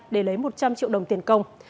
để lấy một trăm linh triệu đồng tiền công